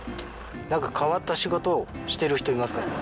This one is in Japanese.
何か変わった仕事をしてる人いますか？